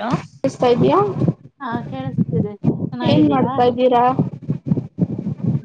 Hello ಕೇಳಸತ್ತಿದೆಯಾ ಹಾ ಕೇಳಿಸ್ತಿದೆ ಏನ್ ಚೆನ್ನಾಗಿದ್ದೀರಾ ಮಾಡ್ತಾ ಇದ್ದೀರಾ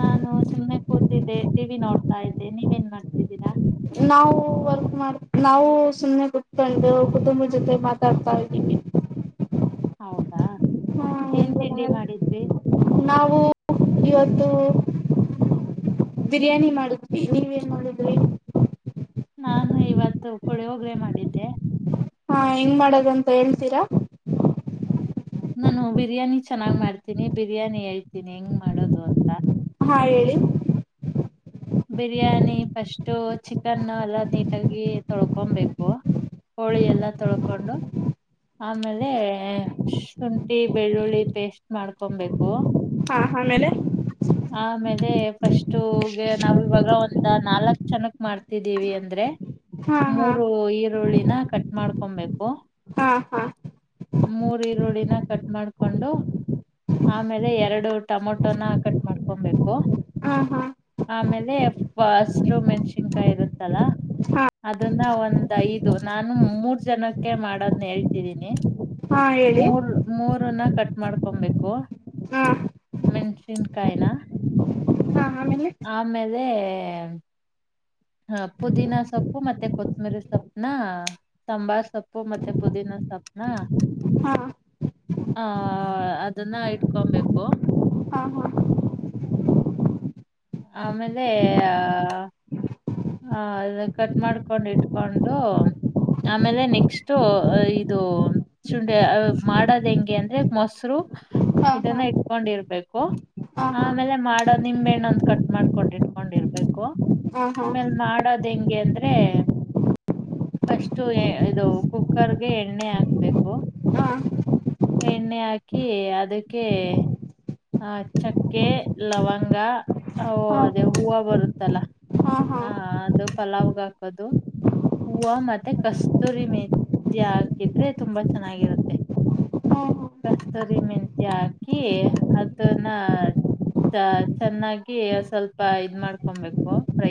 ನಾನು ಸುಮ್ನೆ ಕೂತಿದ್ದೆ ಟಿ ವಿ ನೋಡ್ತಾ ಇದ್ದೆ ನೀವ ಎನ್ ಮಾಡ್ತಿದ್ದೀರಾ. ನಾವು ವರ್ಕ್ ಮಾಡ ನಾವು ಸುಮ್ಮ್ನೆ ಕುತ್ಕೊಂಡು ಕುಟುಂಬ ಜೊತೆ ಮಾತಾಡ್ತಾ ಇದ್ದೀವಿ. ಹೌದು ಹಾ ಏನ್ ಎಲ್ರೂ ತಿಂಡಿ ಮನೇಲಿ ಮಾಡಿದ್ರಿ ನಾವು ಬಿರಿಯಾನಿ ಮಾಡಿದ್ವಿ ನೀವೇನ್ ಮಾಡಿದ್ರಿ ನಾನು ಇವತ್ತು ಪುಳಿಯೋಗರೆ ಮಾಡಿದ್ದೆ. ಹಾ ಹೆಂಗ್ ಮಾಡದಂತ ಹೇಳ್ತೀರಾ ನಾನು ಬಿರಿಯಾನಿ ಚೆನ್ನಾಗ್ ಮಾಡ್ತೀನಿ ಬಿರಿಯಾನಿ ಹೇಳ್ತೀನಿ ಹೆಂಗ್ ಮಾಡೋದು ಅಂತ ಹಾ ಹೇಳಿ ಬಿರಿಯಾನಿ ಫಸ್ಟು ಚಿಕನ್ ಎಲ್ಲ ನೀಟಾಗಿ ತೊಳ್ಕೊಬೇಕು ಕೋಳಿ ಎಲ್ಲ ತೊಳ್ಕೊಂಡು ಆಮೇಲೆ ಶುಂಠಿ, ಬೆಳ್ಳುಳ್ಳಿ ಪೇಸ್ಟ್ ಮಾಡ್ಕೋಬೇಕು. ಹಾ ಆಮೇಲೆ ಆಮೇಲೆ ಫಸ್ಟ್ ಗೆ ನಾವು ಇವಾಗ ಒಂದು ನಾಲ್ಕ ಜನಕ್ ಮಾಡ್ತಿದ್ದೀವಿ ಅಂದ್ರೆ ಹಾ ಹಾ ಮೂರು ಈರುಳ್ಳಿನ ಕಟ್ ಮಾಡ್ಕೊಬೇಕು ಹಾ ಹಾ ಮೂರ್ ಈರುಳ್ಳಿನ ಕಟ್ ಮಾಡ್ಕೊಂಡು ಆಮೇಲೆ ಎರಡು ಟಮೊಟೋನ ಕಟ್ ಮಾಡ್ಕೊಬೇಕು ಹಾ ಹಾ ಆಮೇಲೆ ಹಸಿಮೆಣಸಿನಕಾಯಿ ಇರುತ್ತಲ್ಲ ಹಾ ಅದನ್ನ ಒಂದ ಐದು ನಾನು ಮೂರ್ ಜನಕ್ಕೆ ಮಾಡೋದ್ನ್ನ ಹೇಳ್ತಿದೀನಿ ಹಾ ಹೇಳಿ ಮೂರ್ ಮೂರ ನ ಕಟ್ಟ ಮಾಡ್ಕೊಬೇಕು ಹ್ಮ ಮೆಣಸಿನ್ಕಾಯನಾ ಹಾ ಆಮೇಲೆ ಆಮೇಲೆ ಹ್ಮ ಹಾ ಪುದೀನ ಸೊಪ್ಪು ಮತ್ತೆ ಕೊತ್ತಂಬರಿ ಸೊಪ್ನ ಸಾಂಬಾರ್ ಸೊಪ್ಪು ಮತ್ತೆ ಪುದೀನಾ ಸೊಪ್ಪನ ಹಾ ಹ ಅದನ್ನ ಇಟ್ಕೊಬೇಕು ಹಾ ಹಾ ಆಮೇಲೆ ಆ ಅದು ಕಟ್ ಮಾಡ್ಕೊಂಡ್ ಇಟ್ಕೊಂಡು ಆಮೇಲೆ ನೆಕ್ಸ್ಟ್ು ಇದು ಚುಂಡಿ ಅ ಮಾಡೋದ್ ಹೆಂಗೆ ಅಂದ್ರೆ ಮೊಸರು ಹಾ ಹಾ ಇದನ್ನ ಇಟ್ಕೊಂಡಿರ್ಬೇಕು ಹಾ ಆಮೇಲೆ ಮಾಡೋ್ ನಿಂಬೆಹಣ್ಣುಂದು ಕಟ್ ಮಾಡ್ಕೊಂಡ್ ಇಟ್ಕೊಂಡಿರ್ಬೇಕು ಹಾ ಹಾ ಹಾ ಹಾ ಆಮೇಲ್ ಮಾಡದ ಹೆಂಗ ಹಗೆ ಅಂದ್ರೆ ಫಸ್ಟ್ು ಇದು ಕುಕ್ಕರ್ಗೆ ಎಣ್ಣೆ ಹಾಕ್ಬೇಕು ಎಣ್ಣೆ ಹಾಕಿ ಅದಕ್ಕೆ ಹ ಚಕ್ಕೆ ಲವಂಗ ಅದೇ ಹಾ ಹೂವು ಬರುತ್ತಲ್ಲ ಹಾ ಅದು ಪಲಾವ್ಗೆ ಹಾಕೋದು ಹೂವು ಮತ್ತೆ ಕಸ್ತೂರಿ ಮೆತ್ಯ ಹಾಕಿದ್ರೆ ತುಂಬಾ ಚೆನ್ನಾಗಿರುತ್ತೆ ಹಾ ಹಾ ಕಸ್ತೂರಿ ಮೆತ್ಯ ಹಾಕಿ ಅದನ್ನ ಚ ಚೆನ್ನಾಗಿ ಸ್ವಲ್ಪ ಇದ್ ಮಾಡ್ಕೊಬೇಕು ರ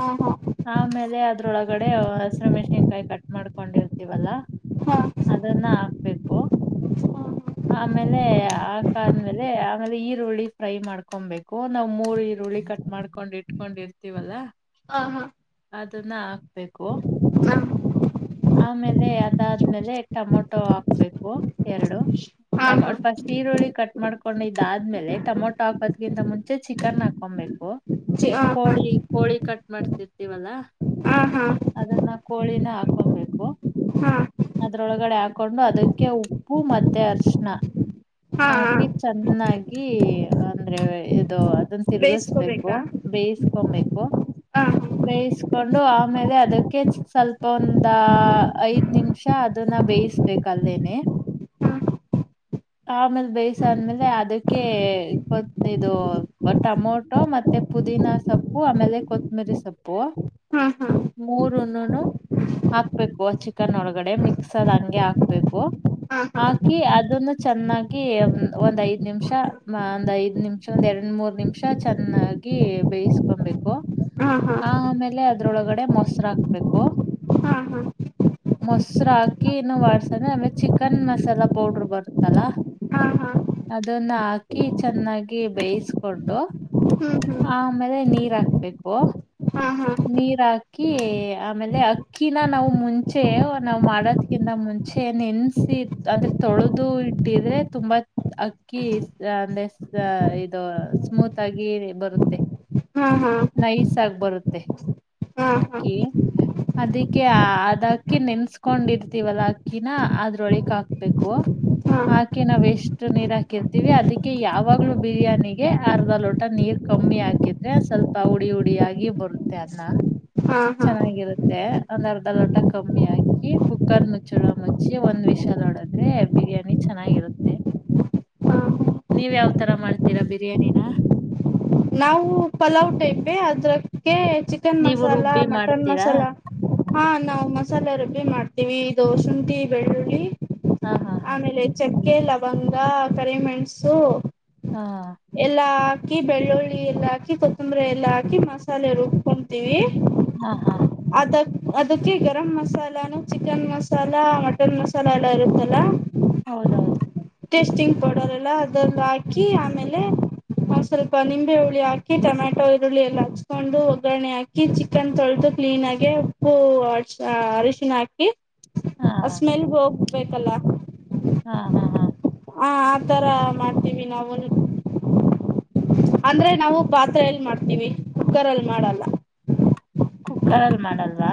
ಹಾ ಹಾ ಆಮೇಲೆ ಅದ್ರೊಳಗಡೆ ಹಸಿರು ಮೆಣಸನ್ಕಾಯಿ ಕಟ್ ಮಾಡ್ಕೊಂಡಿರ್ತೀವಲ್ಲ ಹಾ ಅದನ್ನ ಹಾಕ್ಬೇಕು ಆಮೇಲೆ ಹಾಕಾದ್ಮೇಲೆ ಆಮೇಲೆ ಈರುಳ್ಳಿ ಫ್ರೈ ಮಾಡ್ಕೊಬೇಕು ನಾವು ಮೂರು ಈರುಳ್ಳಿ ಕಟ್ ಮಾಡ್ಕೊಂಡು ಇಟ್ಕೊಂಡಿರ್ತೀವಲ್ಲ ಹಾ ಹಾ ಅದನ್ನ ಹಾಕ್ಬೇಕು ಹಾ ಆಮೇಲೆ ಅದಾದ್ಮೇಲೆ ಟಮೊಟೊ ಹಾಕ್ಬೇಕು ಎರಡು ಹಾ ಟಮ ಹಾ ಫಸ್ಟ್ ಈರುಳ್ಳಿ ಕಟ್ ಮಾಡ್ಕೊಂಡ ಇದಾದ್ಮೇಲೆ ಟಮೊಟೊ ಹಾಕೋದ್ಕಿಂತ ಮುಂಚೆ ಚಿಕನ್ ಹಾಕೊಬೇಕು ಜಿ ಹ ಹಾ ಕೋಳಿ ಕೋಳಿ ಕಟ್ ಮಾಡ್ತಿರ್ತೀವಲ್ಲಾ ಆ ಹಾ ಅದನ್ನ ಕಳಿ ನಾಗ ಕೊಬೇಕು ಹಾ ಅದ್ರೊಳಗಡೆ ಹಾಕೊಂಡು ಅದಕ್ಕೆ ಉಪ್ಪು ಮತ್ತೆ ಅರ್ಶಣ ಹಾ ಹಾ ಹಾಕಿ ಚೆನ್ನಾಗಿ ಅಂದ್ರೆ ಇದು ಅದನ್ನ ತಿರ್ಗಸ್ ಬು ಬೇಯಿಸ್ಕೋಬೇಕಾ ಬೇಯ ಕೊಬೇಕು ಆ ಬೇಯಿಸಕೊಂಡು ಆಮೇಲೆ ಅದಕ್ಕೆ ಸ್ವಲ್ಪ ಒಂದ ಐದ್ ನಿಮಿಷ ಅದನ್ನ ಬೇಯಿಸ್ಬೇಕ ಅಲ್ಲೇನೆ ಹಾ ಆಮೇಲೆ ಬೇಯ್ಿಸಾದ್ಮೇಲೆ ಅದಕ್ಕೆ ಇದು ಟಮೊಟೊ ಮತ್ತೆ ಪುದೀನಾ ಸೊಪ್ಪು ಆಮೇಲೆ ಕೊತ್ತಂಬರಿ ಸೊಪ್ಪು ಹಾ ಹಾ ಮೂರುನು ಹಾಕ್ಬೇಕು ಚಿಕನ್ ಒಳಗಡೆ ಮಿಕ್ಸ್ರ್ ಹಂಗೆ ಹಾಕ್ಬೇಕು ಹಾ ಹಾಕಿ ಅದನ್ನು ಚೆನ್ನಾಗಿ ಒಂದ್ ಐದ್ ನಿಮಿಷ ಒಂದ್ ಐದ್ ನಿಮಿಷ ಒಂದ್ ಎರಡ್ ಮೂರ್ ನಿಮಿಷ ಚೆನ್ನಾಗಿ ಬೇಯಿಸಕೊಬೇಕು ಹಾ ಹಾ ಹಾ ಆಮೇಲೆ ಅದ್ರೊಳಗಡೆ ಮೊಸರ ಹಾಕ್ಬೇಕು ಹಾ ಮೊಸರ ಹಾಕಿ ಇನ್ನು ಮಾಡಡ್ಸಂದ್ರೆ ಆಮೇಲೆ ಚಿಕನ್ ಮಸಾಲಾ ಪೌಡ್ರ ಬರ್ತ ಲ ಹಾ ಹಾ ಅದನ್ನ ಹಾಕಿ ಚೆನ್ನಾಗಿ ಬೇಯಿಸ್ಕೊಂಡು ಹ್ಮ್ ಹ್ಮ್ ಆ ಆಮೇಲೆ ನೀರ್ ಹಾಕ್ಬೇಕು ಹಾ ಹಾ ನೀರ್ ಹಾಕಿ ಆಮೇಲೆ ಅಕ್ಕಿನ ನಾವು ಮುಂಚೆ ನಾವು ಮಾಡೋದ್ಕಿಂತ ಮುಂಚೆ ನೆನ್ಸಿ ಅಂದ್ರೆ ತೊಳೆದು ಇಟ್ಟಿದ್ರೆ ತುಂಬಾ ಅಕ್ಕಿ ಅಂದೆ ಇದು ಸ್ಮೂತ್ ಆಗಿ ಬರುತ್ತೆ ಹಾ ಹ ನೈ ಸಾಗ ಬರುತ್ತೆ ಹಾ ಹಾ ಅಕ್ಕಿ ಅದಕ್ಕೆ ಅದ್ ಅಕ್ಕಿ ನೆನ್ಸ್ಕೊಂಡಿರ್ತೀವಲ್ಲ ಅಕ್ಕಿನ ಅದ್ರೊಳಿಕ್ ಹಾಕ್ಬೇಕು ಹಾ ಅಕ್ಕಿ ನಾವ ಎಷ್ಟು ನೀರ್ ಹಾಕಿರ್ತೀವಿ ಅದಕ್ಕೆ ಯಾವಾಗ್ಲೂ ಬಿರಿಯಾನಿಗೆ ಅರ್ಧ ಲೋಟ ನೀರ್ ಕಮ್ಮಿ ಹಾಕಿದ್ರೆ ಸ್ವಲ್ಪ ಉಡಿ ಉಡಿಿಯಾಗಿಿ ಬರುತ್ತೆ ಅನ್ನ ಹಾ ಹಾ ಹಾ ಚೆನ್ನಾಗಿರುತ್ತೆ. ಮ ಒಂದ್ ಅರ್ಧ ಲೋಟ ಕಮ್ಮಿ ಹಾಕಿ ಕುಕ್ಕರ್ ಮುಚ್ಚುಳ ಮುಚ್ಚಿ ಒಂದ್ ವಿಷಲ ಹೋಡದ್ರೆ ಬಿರಿ್ಯಾನಿ ಚೆನ್ನಾಗಿರುತ್ತೆ ನೀವ್ ಯಾವ ತರ ಮಾಡ್ತೀರಾ ಬಿರಿಯಾನಿನ. ನಾವು ಪಲಾವ್ ಟೈಪೇ ಅದ್ರಕ್ಕೆ ಚಿಕನ್ ನೀವು ಮಸಾಲಾ ರುಬ್ಬಿ ಮಟನ್ ಮಾಡ್ತೀರಾ ಮಸಾಲಾ ಹಾ ನಾವು ಮಸಲ ಸ ಎ ರುಬ್ಬಿ ಮಾಡ್ತೀವಿ ದೋ ಸುಂಠಿ ಬೆಳ್ಳುಳ್ಳಿ ಹಾ ಹಾ ಹಾ ಆಮೇಲೆ ಹೆಚ್ಚಕಿ ಏಲಕ್ಕಿ ಲವಂಗ ಕರಿಮೆಣಸು ಹಾಂ ಎಲ್ಲಾ ಹಾಕಿ ಬೆಳ್ಳುಳ್ಳಿ ಎಲ್ಲ ಹಾಕಿ ಕೊತ್ತಂಬರಿ ಎಲ್ಲಾ ಹಾಕಿ ಮಸಾಲೆ ರುಬ್ಕೊತೀವಿ. ಹಾ ಹಾ ಅದಕ್ಕೆ ಗರಂ ಮಸಾಲಾನು ಚಿಕನ್ ಮಸಾಲ ಮಟನ್ ಮಸಾಲ ಎಲ್ಲ ಇರುತ್ತಲ್ಲ. ಹೌದೌಹೌ ದು ಟೇಸ್ಟಿಂಗ್ ಪೌಡರ್ ಎಲ್ಲ ಅದಲ್ಲ ಹಾಕಿ ಆಮೇಲೆ ಒ್ ಸ್ವಲ್ಪ ನಿಂಬೆ ಹುಳಿ ಹಾಕಿ ಟೊಮ್ಯಾಟೊ ಈರುಳ್ಳಿ ಎಲ್ಲ ಹಚ್ಕೊಂಡು ಒಗ್ಗರಣೆ ಹಾಕಿ ಚಿಕನ್ ತೊಳೆದು ಕ್ಲೀನ್ ಆಗಿ ಉಪ್ಪು ಅರಶಿನ ಹಾಕಿ. ಹಾ ಅ ಸ್ಮೆಲ್ ಹೋಗ ಬೇಕಲ್ಲ ಹಾ ಹಾ ಹಾ ಹಾ ಆತರ ಮಾಡ್ತೀವಿ ನಾವ. ಅಂದ್ರೆ ನಾವು ಪಾತ್ರ ಎಲ್ ಮಾಡ್ತೀವಿ ಕುಕ್ಕರಲ್ಲಿ ಮಾಡಲ್ಲ. ಕುಕ್ಕರ್ ಅಲ್ಲಿ ಮಾಡಲ್ವಾ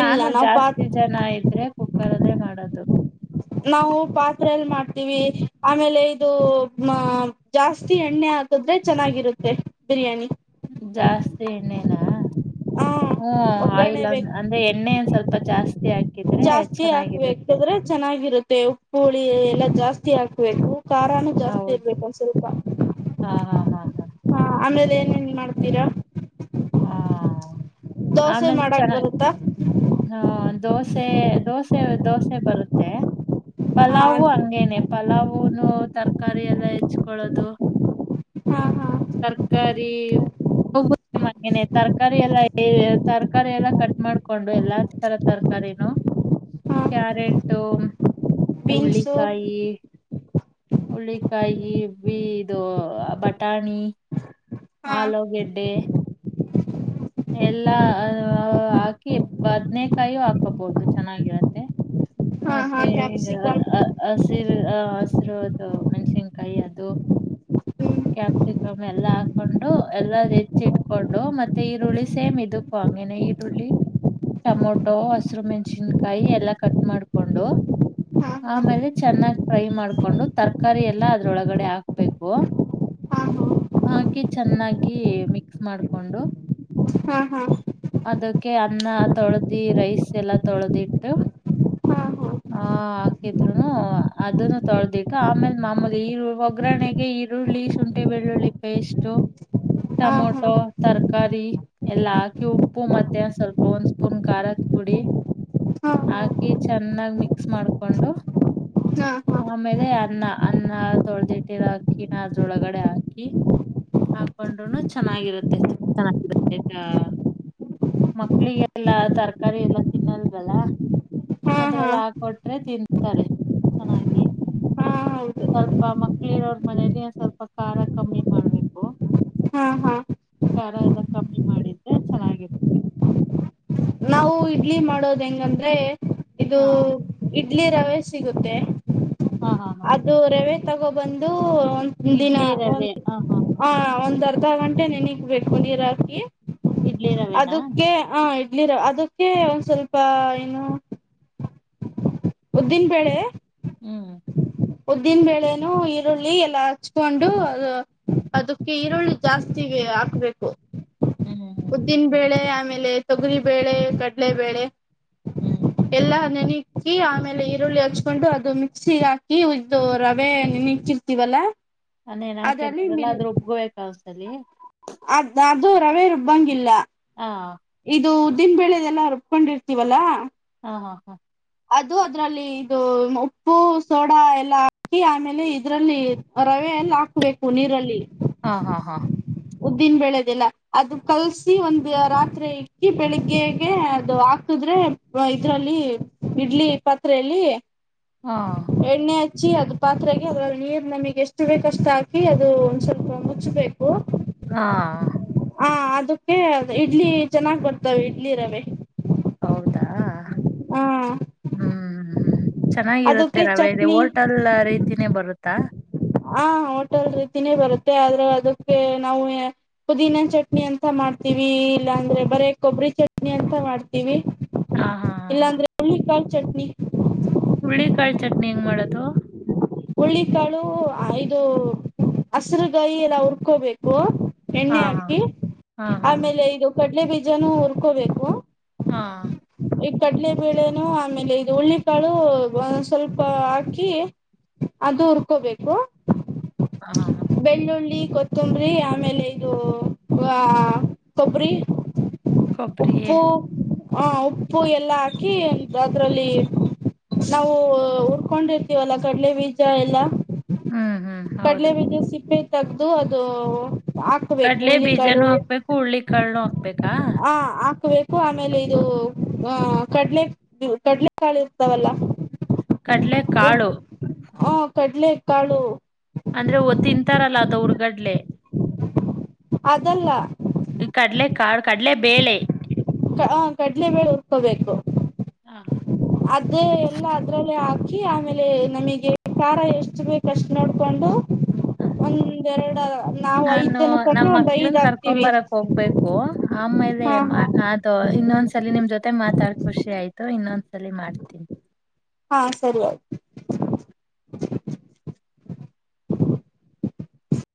ಇಲ್ಲ ನಾನು ನಾವು ಪಾತ್ ಜಾಸ್ತಿ ಜನ ಇದ್ರೆ ಕುಕ್ಕರ ಕರದೆ ಮಾಡೋದು. ನಾವು ಪಾತ್ರಲ್ ಮಾಡ್ತೀವಿ ಆಮೇಲೆ ಇದುಹ ಜಾಸ್ತಿ ಎಣ್ಣೆ ಹಾಕಿದ್ರೆ ಚೆನ್ನಾಗಿರುತ್ತೆ ಬಿರಿಯಾನಿ. ಜಾಸ್ತಿ ಎಣ್ಣೆನಾ ಹ ಹ್ಮ ಒಗ್ಗರಣೆ ಆಯಿಲ್ ಬೇಕು ಅಂದ್ರೆ ಎಣ್ಣೆ ಸ್ವಲ್ಪ ಜಾಸ್ತಿ. ಹಾಕಿದ್ರೆ ಜಾಸ್ತಿ ಚೆನ್ನಾಗಿರುತ್ತೆ ಹಾಕ್ಬೇಕಾದ್ರೆ ಚೆನ್ನಾಗಿರುತ್ತೆ ಉಪ್ಪುಳಿ ಎಲ್ಲಾ ಜಾಸ್ತಿ ಹಾಕ್ಬೇಕು. ಖಾರಾನು ಜಾಸ್ತಿ ಹೌದು ಇರ್ಬೇಕು ಸ್ವಲ್ಪ ಹಾ ಹಾ ಹಾ ಹಾ ಆಮೇಲೆ ಏನೇನ್ ಮಾಡ್ತೀರಾ ಹಾ ದೋಸೆ ಆಮೇಲೆ ಮಾಡಕ್ ಚೆನ್ನ ಬರುತ್ತಾ ಹ ದೋಸೆ. ದೋಸೆ ದೋಸೆ ದೋಸೆ ಬರುತ್ತೆ. ಹಾ ಪಲಾವ ಅಂಗೇನ ಪಲವ ಹೂನು ತರಕಾರಿ ಎಲ್ಲ ಹೆಚ್ಕೊಳ್ಳದು ಹಾ ಹಾ ತರಕಾರಿ ಹ ತರಕಾರಿ ಎಲ್ಲಾ ತರಕಾರಾರಿ ಎಲ್ಲಾ ಕಟ್ ಮಾಡ್ಕೊಂಡು ಎಲ್ಲಾ ತರ ತರಕಾರಿನೂ ಕ್ಯಾರೆಟ. ಬಿನ್ಸು ಹುರುಳ್ಳಿಕಾಯಿ ಇದು ಬಟಾಣಿ. ಹಾ ಆಲೂಗೆಡ್ಡೆ. ಎಲ್ಲ ಹಾಕಿ ಬದ್ನೇಕಾಯು ಹಾಕೋಬಹುದು ಚೆನ್ನಾಗಿರತ್ತೆ ಹಾ ಹಾ ಮತ್ತೆ ಕ್ಯಾಪ್ಸಿಕಮ್ ಅ ಹಿ ಹಸಿರು ಅದು ಮೆಣ್ಸಿನ್ಕಾಯಿ ಅದು ಹ್ಮ್ ಕ್ಯಾಪ್ಸಿಕಮ್ ಎಲ್ಲ ಹಾಕೊಂಡು ಎಲ್ಲ ಹೆಚ್ಚ ಇಟ್ಕೊಂಡು ಮತ್ತೆ ಈರುಳ್ಳಿ ಸೇಮ್ ಇದಕ್ಕೂ ಹಂಗನೆ ಈರುಳ್ಳಿ ಟೊಮೊಟೊ ಹಸರು ಮೆಣಸಿನ್ಕಾಯಿ ಎಲ್ಲ ಕಟ್ ಮಾಡಕೊಂಡು ಹಾ ಆಮೇಲೆ ಚೆನ್ನಾಗಿ ಫ್ರೈ ಮಾಡಕೊಂಡು ತರಕಾರಿ ಎಲ್ಲ ಅದ್ರೊಳಗಡೆ ಹಾಕ್ಬೇಕು ಹಾ ಹಾಕಿ ಚೆನ್ನಾಗಿ ಮಿಕ್ಸ್ ಮಾಡಕೊಂಡು ಹಾ ಹಾ ಅದಕ್ಕೆ ಅನ್ನ ತೊಳೆ್ದಿ ರೈಸ್ ಎಲ್ಲ ತೊಳೆದಿಟ್ಟು ಹಾ ಹಾ ಆ ಹಾಕಿದ್ರುನು ಅದನ್ನು ತೊಳೆದಿಟ್ಟು ಆಮೇಲೆ ಮಾಮೂಲಿ ಈರುಳ್ಳ ಒಗ್ಗರಣೆಗೆ ಈರುಳ್ಳಿ ಶುಂಠಿ ಬೆಳ್ಳುಳ್ಳಿ ಪೇಸ್ಟ್ ಹಾ ಹಾ ಟಮೊಟೊ ಹಾ ತರಕಾರಿ ಎಲ್ಲ ಹಾಕಿ ಉಪ್ಪ ಉಪ್ಪು ಮ ಸ್ವಲ್ಪ ಒಂದು ಸ್ಪೂನ್ ಖಾರದ ಪುಡಿ ಹಾ ಹಾಕಿ ಚೆನ್ನಾಗಿ ಮಿಕ್ಸ್ ಮಾಡ್ಿಕೊಂಡು ಆಮೇಲೆ ಅನ್ನ ಅನ್ನ ತೊಳೆದಿಟ್ಟ ಹಾಕಿನ ಅದ್ರೊಳಗಡೆ ಹಾಕಿ ಹಾಕೊಂಡ್ೂ ಚೆನ್ನಾಗಿರುತ್ತೆ ಚೆನ್ನಾಗಿತ್ತ ಮಕ್ಳಿಗೆಲ್ಲ ತರಕಾರಿ ಎಲ್ಲ ತಿನ್ನಲ್ವಲ್ಲ ಹಾ ಹಾ ಹಾ ಅದ್ರೆಲ್ಲ ಹಾಕೊಟ್ರೆ ತಿಂತಾರೆ ಚೆನ್ನಾಗಿ ಹೌದು ಸ್ವಲ್ಪ ಮಕ್ಳಿರೋ್ರ ಮನೇಲಿ ಸ್ವಲ್ಪ ಖಾರ ಕಮ್ಮಿ ಮಾಡ್ಬೇಕು ಹಾ ಹಾ ಖಾರ ಎಲ್ಲ ಕಮ್ಮಿ ಮಾಡಿದ್ರೆ ಚೆನ್ನಾಗಿರ್ [inaudible] ಇಲ್ಲಿ ಮಾಡೋದ ಹೆಂಗಂದ್ರೆ ಇದು ಹಾ ಇಡ್ಲಿ ರವೆ ಸಿಗುತ್ತೆ ಹಾ ಹಾ ಹಾ ಅದು ರವೆ ತಗೋಬಂದು ದಿನ ಇಡ್ಲಿ ಒ ರವೆ ಹಾ ಹ ಒಂದರ ಅರ್ಧ ಗಂಟೆ ನೆಗ್ ಬೇಕುಂದಿ ರಾಕಿ ಇಡ್ಲಿ ರವೆನಾ ಅದಕ್ಕೆ ಹ ಇರ ಅದಕ್ಕೆ ಅೇ ಒಂದ ಸ್ವಲ್ಪ ಏನು ಉದ್ದೀನ್ಪೇಳೆ ಹ್ಮ್ ಉದ್ದಿನ ಬೇಳೆನು ಈರುಳ್ಳಿ ಎಲ್ಲ ಹಚ್ಕೊಂಡು ಅ ಅದಕ್ಕೆ ಈರುಳ್ಳಿ ಜಾಸ್ತಿ ಹಾಕ್ಬೇಕು ಹ್ಮ್ ಹ್ಮ್ ಉದ್ದಿನ ಬೆೇಳೆ ಆಮೇ ಲೆ ತೊಗರಿ ಬೇಳೆ ಕಡಲೆ ಬೇಳೆ ಹ್ಮ್ ಎಲ್ಲ ನೆನ ಹಾಕಿ ಆಮೇಲೆ ಈರುಳ್ಳಿ ಹಚ್ಕೊಂಡು ಅದು ಮಿಕ್ಸಿ ಹಾಕಿ ಇದು ರವೆ ಇಕ್ಕಿರ್ತವಲ್ಲ ಅಂದ ಏನ್ ಹಾಕಿರ್ತೀರಲ್ಲ ಅ್ರರು ಒಬ್ಬಬೇಕ ಅಸ್ೆ ಅಲ್ಲಿ ಅದ್ ಅದು ರವೆ ರುಬ್ಬಂಗಿಲ್ಲ ಹಾ ಇದು ದಮ ಬೆಳೆದೆಲ್ಲಾರುಬ್ಕೊಂಡಿರ್ತತಿವಲ್ಲಾ ಹಾ ಹಾ ಹಾ ಅದು ಅದರಲ್ಲಿ ಇದು ಉಪ್ಪು ಸೋಡಾ ಎಲ್ಲ ಹಾಕಿ ಆಮೇಲೆ ಇದ್ರಲ್ಲಿ ರವೆ ಎಲ್ಲ ಹಾಕ್ಬೇಕು ನೀರಲ್ಲಿ ಹಾ ಹಾ ಹಾ ಉದ್ದಿನ ಬೆಳೆದಿಲ್ಲ ಅದು ಕಲ್ಸಿ ಒಂದ್ ರಾತ್ರಿ ಇಕ್ಕಿ ಬೆಳಿಗ್ಗೆ ಅದು ಹಾಕಿದ್ರೆ ಇದ್ರಲ್ಲಿ ಇಡ್ಲಿ ಪಾತ್ರೆಯಲ್ಲಿ ಹಾ ಎ್ಣ ಮುಚ್ಚಿ ಅದು ಪಾತ್ರೆಗೆ ಅದ್ರಲ್ಲಿ ನೀರ್ ನಮಗ್ ಎಷ್ಟು ಬೇಕಷ್ಟು ಹಾಕಿ ಅದು ಒಂದ್ ಸ್ವಲ್ಪ ಮುಚ್ಚಬೇಕು ಹಾ ಹಾ ಅದಕ್ಕೆ ಇಡ್ಲಿ ಚೆನ್ನಾಗಿ್ ಬರ್ತವೆ ಇಡ್ಲಿ ರವೆ ಹೌದಾ ಹ ಹ್ಮ್ ಹ್ಮ್ ಹ್ಮ್ ಚೆನ್ನಾಗಿರುತ್ತೆ ಅದಕ್ಕೆ ರವೆೇಲೆ ಚಟ್ನಿ ಹೋಟಲ್ ರೀತಿನೇ ಬರುತ್ತಾ ಹಾ ಹೋಟೆಲ್ ತಿನೇ ಬರುತ್ತೆ ಆದ್ರೆ ಅದಕ್ಕೆ ನಾವವು ಪುದೀನಾ ಚಟ್ನಿ ಅಂತ ಮಾಡ್ತೀವಿ ಇಲ್ಲಾಂದ್ರೆ ಬರೇ ಕೊಬ್ಬರಿ ಚಟ್ನಿ ಅಂತ ಮಾಡ್ತೀವಿ ಹಾ ಹಾ ಹಾ ಹಾ ಇಲ್ಲಾಂದ್ರೆ ಹುಳ್ಳಿಕಾಳ್ ಚಟ್ನಿ ಹುರುಳ್ಳಿಕಾಳಿ ಚಟ್ನಿ ಹೆಂಗ್ ಮಾಡದು ಹುಳ್ಳಿಕಾಳು ಇದು ಹಸರುಗಾಯಿ ಎಲ್ಲ ಹುರ್ಕೋಬೇಕು ಹಾ ಎಣ್ಣೆ ಹಾ ಹಾಕಿ ಹಾ ಹಾ ಹಾ ಆಮೇಲೆ ಇದು ಕಟ್ಟ ಇಲ್ಲೇ ಬೀಜಾನ ಉರ್ಕೋಬೇಕು ಹಾ ಕಡಲೆಬೇಳೆನು ಆಮೇಲೆ ಇದು ಉಳ್ಳಿಕಾಳು ಸ್ವಲ್ಪ ಹಾಕಿ ಅದು ಉರ್ಕೋಬೇಕು ಹಾ ಹಾ ಬೆಳ್ಳುಳ್ಳಿ ಕೊತ್ತಂಬರಿ ಆಮೇಲೆ ಇದು ಆ ಕೊಬ್ಬರಿ ಕೊಬ್ಬರಿ ಹ ಉಪ್ಪು ಎಲ್ಲ ಹಾಕಿ ಅದ್ರಲ್ಲಿ ನಾವು ಉುಡ್ಕೊಂಡಿರ್ತೀವಲ್ಲ ಕಡಲೆ ಬೀಜ ಎಲ್ಲ ಹ್ಮ್ ಹ್ಮ್ ಕಡಲೆ ಕಡ್ಲೆ ಹೌದು ಬೀಜ ಸಿಪ್ ತಗ್ದದು ಅದು ಹಾಕ್ಬೇಕು ಕಡ್ಲೆ ಬೀಜ ಹುಳ್ಳಿಕಾಳು ನ ಹಕ್ಕೂರ್ಲಿ ಕಣ ಬೇಕಾ ಬೇಕು ಆಮೇಲೆ ಇದು ಆ ಕಡ್ಲೆ ಕಡಲೆ ಕಾಲಿ ಇರ್ತಾವಲ್ಲ ಕಡ್ಲೆ ಕಾಳು ಹಾ ಕಡ್ಲೆ ಕಾಳು ಅಂದ್ರೆ ತಿಂತಾರಲ್ಲ ಅದವರ್ಗಡ್ಲೆ ಅದಲ್ಲ ಕಡಲೆ ಕಾ ಕಡಲೆ ಬೇಳೆ ಹ ಕಡ್ಲೆ ಬೇಳೆ ಉರ್ಕೋಬೇಕು ಹಾ ಹಾ ಅದೇ ಎಲ್ಲ ಅದ್ರಲ್ಲೇ ಹಾ ಅಕ್ಕಿ ಆಮೇಲೆ ನಮಗೆ ಖಾರ ಎಷ್ಟು ಬೇಕು ಅಷ್ಟು ನೋಡ್ಕೊಂಡು ಹ ಒಂದೆರಡ ನಾವು ಐದ್ ನಾನು ಜನಕ್ಕಂದ್ರೆ ನಮ್ಮ ಒಂದ್ ಐದ್ ಮಕ್ಳನ್ ಕರ್ಕೊ ಹಾಕ್ತಿವಿ ಬರಕ್ ಹೋಗ್ಬೇಕು ಅಮ್ಮ ಹಾ ಹಾ ಅದು ಇನ್ನೊಂದ್ಸಲ ನಿಮ ಮತ್ತ ಮಾತಾಡ್ ಖುಷಿ ಆಯತು ಇನ್ನೊಂದ್ಸಲ ಮಾಡ್ತೀನಿ ಹಾ ಸರಿಯ್ು